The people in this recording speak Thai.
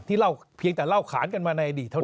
ที่เพียงแต่เล่าขานมาในอดีตของ